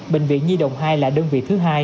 bệnh viện nhi đồng hai là đơn vị thứ hai